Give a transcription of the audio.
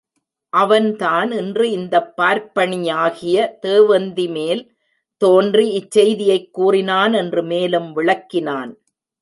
அவன்தான் இன்று இந்தப் பார்ப்பணியாகிய தேவந்திமேல் தோன்றி இச்செய்தியைக் கூறினான் என்று மேலும் விளக்கினான்.